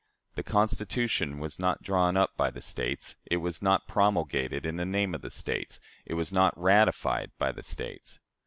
"The Constitution was not drawn up by the States, it was not promulgated in the name of the States, it was not ratified by the States.